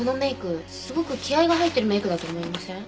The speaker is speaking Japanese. すごく気合が入ってるメイクだと思いません？